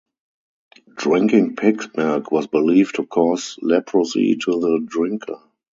Drinking pig's milk was believed to cause leprosy to the drinker.